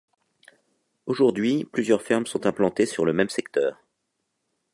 Aujourd'hui plusieurs fermes sont implantées sur le même secteur.